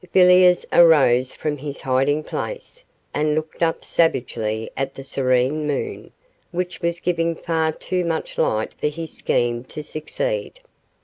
Villiers arose from his hiding place, and looked up savagely at the serene moon, which was giving far too much light for his scheme to succeed.